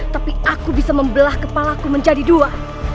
tapi aku bisa membelah kepala ku menjadi dua